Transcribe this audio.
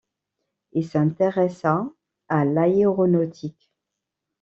Il s'intéressa à l'aéronautique.